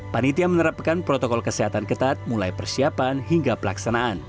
panitia menerapkan protokol kesehatan ketat mulai persiapan hingga pelaksanaan